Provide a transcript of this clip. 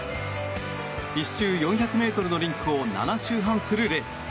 １周４００ｍのリンクを７周半するレース。